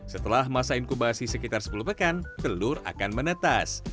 setelah masa inkubasi sekitar sepuluh pekan telur akan menetas